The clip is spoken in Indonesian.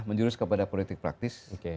menjurus kepada politik praktis